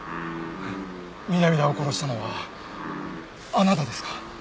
南田を殺したのはあなたですか？